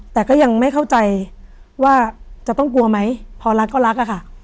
แต่ก็ยังไม่เข้าใจว่าจะต้องกลัวไหมพอรักก็รักอะค่ะ